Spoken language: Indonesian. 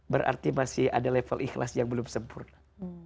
berarti masih ada level ikhlas yang belum sempurna